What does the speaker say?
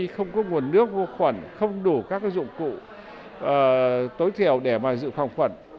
không có nguồn nước vô khuẩn không đủ các dụng cụ tối thiểu để mà giữ phòng khuẩn